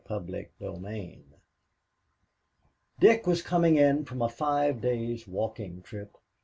CHAPTER IV Dick was coming in from a five days' walking trip.